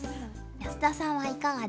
安田さんはいかがですか？